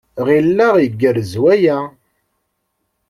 Ɣileɣ igerrez waya.